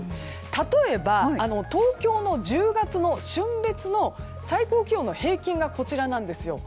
例えば、東京の１０月の旬別の最高気温の平均がこちらなんですよ。